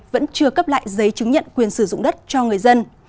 vẫn chưa cấp lại giấy chứng nhận quyền sử dụng đất cho người dân